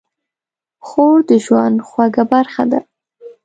خور د ژوند خوږه برخه ده.